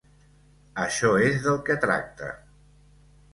Això és del que tracta.